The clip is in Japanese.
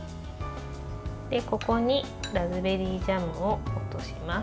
ここにラズベリージャムを落とします。